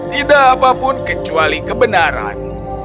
tidak apapun kecuali kebenaran